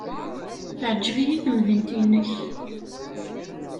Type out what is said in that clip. Teɛjeb-iyi temdint-nnek.